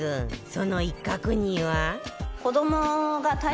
その一角には